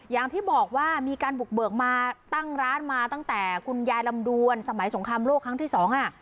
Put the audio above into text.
อย่างที่บอกว่ามีการบุกเบิกมาตั้งร้านมาตั้งแต่คุณยายลำดวนสมัยสงครามโลกครั้งที่สองอ่ะ